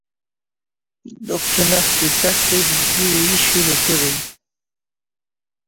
দক্ষিণ Africa series দিয়েই শুরু করি।